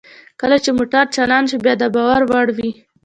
کله چې موټر چالان شو باید د باور وړ وي